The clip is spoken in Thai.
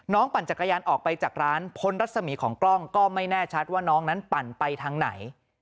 ปั่นจักรยานออกไปจากร้านพ้นรัศมีของกล้องก็ไม่แน่ชัดว่าน้องนั้นปั่นไปทางไหน